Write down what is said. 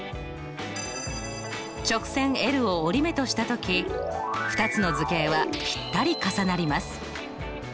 直線を折り目としたとき２つの図形はぴったり重なります。